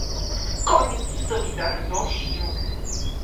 Koniec z solidarnością